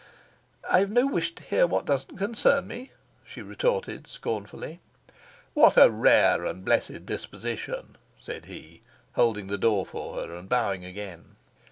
"I've no wish to hear what doesn't concern me," she retorted scornfully. "What a rare and blessed disposition!" said he, holding the door for her and bowing again.